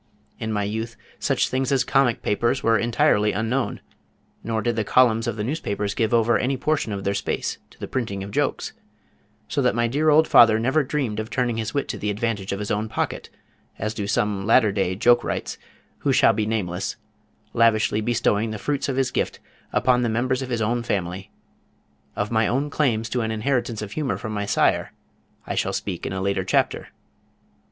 In my youth such things as comic papers were entirely unknown, nor did the columns of the newspapers give over any portion of their space to the printing of jokes, so that my dear old father never dreamed of turning his wit to the advantage of his own pocket, as do some latter day joke wrights who shall be nameless, lavishly bestowing the fruits of his gift upon the members of his own family. Of my own claims to an inheritance of humor from my sire, I shall speak in a later chapter.